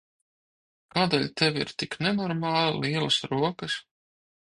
Kādēļ tev ir tik nenormāli lielas rokas?